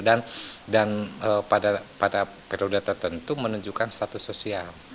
dan pada periode tertentu menunjukkan status sosial